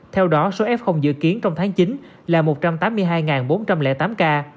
theo đó số f dự kiến trong tháng chín là một trăm tám mươi hai bốn trăm linh tám ca